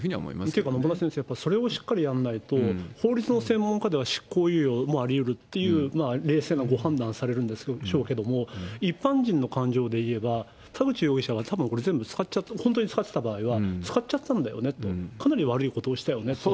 というか野村先生、それをしっかりやらないと、法律の専門家では執行猶予もありうるっていう冷静なご判断をされるんでしょうけれども、一般人の感情で言えば、田口容疑者がたぶんこれ、全部、本当に使ってた場合は使っちゃったんだよね、かなり悪いことをしたよねと。